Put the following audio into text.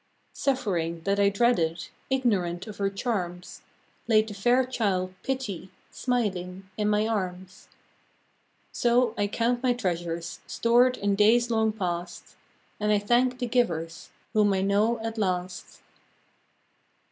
Suffering, that I dreaded, Ignorant of her charms, Laid the fair child, Pity, Smiling, in my arms. 8 FROM QUEENS' GARDENS. I 14 So I count my treasures, Stored in days long past, — And I tliank the givers, Whom I know at last.